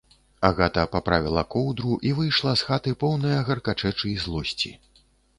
Агата паправіла коўдру і выйшла з хаты, поўная гаркачэчы і злосці.